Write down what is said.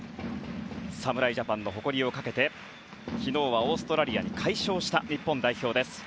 侍ジャパンの誇りをかけて昨日はオーストラリアに快勝した日本代表です。